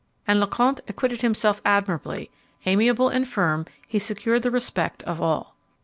And Lecointe acquitted himself admirably; amiable and firm, he secured the respect of all.